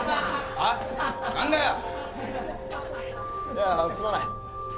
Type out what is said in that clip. いやすまない。